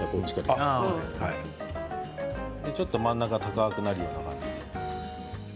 ちょっと真ん中を高くなるような感じで。